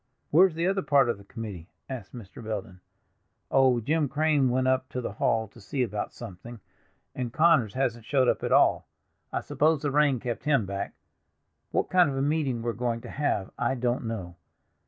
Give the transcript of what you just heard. "Where is the other part of the committee?" asked Mr. Belden. "Oh, Jim Crane went up to the hall to see about something, and Connors hasn't showed up at all; I suppose the rain kept him back. What kind of a meeting we're going to have I don't know.